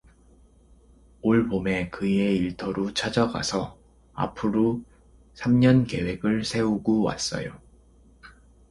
올봄에 그이의 일터루 찾어가서 앞으루 삼 년 계획을 세우구 왔어요.